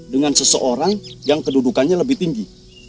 dengan seseorang yang kedudukannya lebih tinggi